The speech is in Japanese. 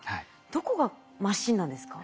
どこがマシンなんですか？